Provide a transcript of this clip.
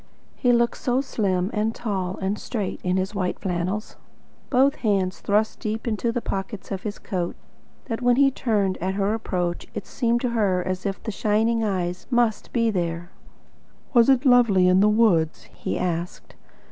He looked so slim and tall and straight in his white flannels, both hands thrust deep into the pockets of his coat, that when he turned at her approach it seemed to her as if the shining eyes MUST be there. "Was it lovely in the woods?" he asked.